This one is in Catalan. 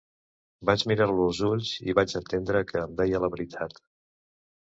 Vaig mirar-lo als ulls i vaig entendre que em deia la veritat.